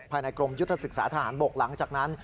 กรมยุทธศึกษาทหารบกหลังจากนั้น